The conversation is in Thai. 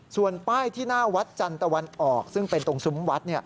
ส่วนป้ายที่หน้าวัดจันทร์ตะวันออกซึ่งเป็นตรงซุ้มวัด